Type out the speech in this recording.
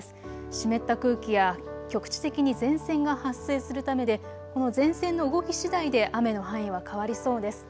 湿った空気や局地的に前線が発生するためでこの前線の動きしだいで雨の範囲は変わりそうです。